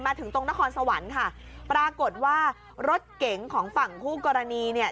ถึงตรงนครสวรรค์ค่ะปรากฏว่ารถเก๋งของฝั่งคู่กรณีเนี่ย